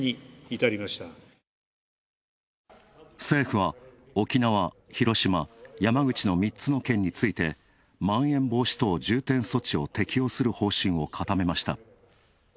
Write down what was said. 政府は沖縄、広島、山口の３つの県について、まん延防止等重点措置を適用する方針を固めました。